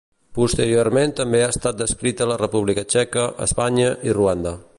Posteriorment també ha estat descrita a la República Txeca, Espanya i Ruanda.